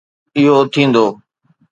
اهو ٿيندو.